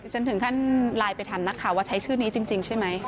ฉันถึงขั้นไลน์ไปถามนักข่าวว่าใช้ชื่อนี้จริงใช่ไหม